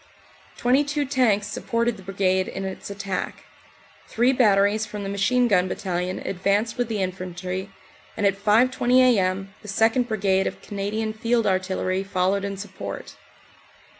Twenty two tanks supported the Brigade in its attack. Three batteries from the Machine Gun Battalion advanced with the infantry, and at 5.20 a.m. the 2nd. Brigade of Canadian Field Artillery followed in support.